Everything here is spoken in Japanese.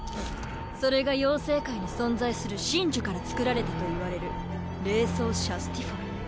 それが妖精界に存在する神樹から作られたといわれる霊槍シャスティフォル。